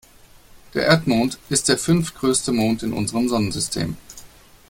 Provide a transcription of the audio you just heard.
Der Erdmond ist der fünftgrößte Mond in unserem Sonnensystem.